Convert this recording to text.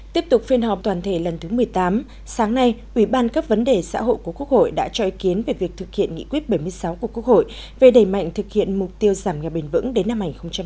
tiếp tục phiên họp toàn thể lần thứ một mươi tám sáng nay ủy ban các vấn đề xã hội của quốc hội đã cho ý kiến về việc thực hiện nghị quyết bảy mươi sáu của quốc hội về đẩy mạnh thực hiện mục tiêu giảm nghèo bền vững đến năm hai nghìn ba mươi